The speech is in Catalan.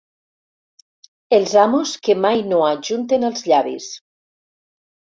Els amos que mai no ajunten els llavis.